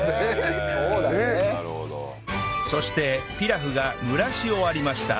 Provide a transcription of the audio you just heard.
そしてピラフが蒸らし終わりました